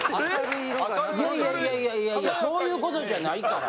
いやいやそういうことじゃないから。